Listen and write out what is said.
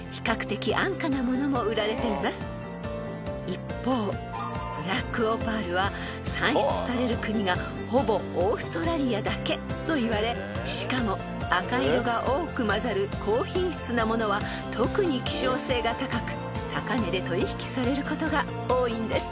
［一方ブラックオパールは産出される国がほぼオーストラリアだけといわれしかも赤色が多くまざる高品質なものは特に希少性が高く高値で取引されることが多いんです］